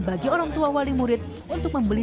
bagi orang tua wali murid untuk membeli